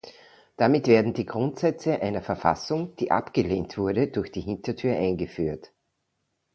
Damit werden die Grundsätze einer Verfassung, die abgelehnt wurde, durch die Hintertür eingeführt.